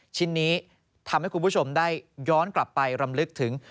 ชิ้นนี้ทำให้คุณผู้ชมได้ย้อนกลับไปรำลึกถึง